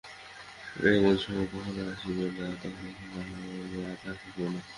এমন সময় কখনও আসিবে না, যখন আমরা থাকিব না।